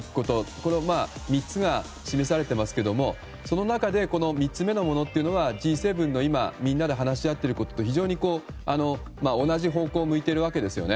この３つが示されてますけどもその中で３つ目のものというのはＧ７の今みんなで話し合っていることと非常に同じ方向を向いているわけですよね。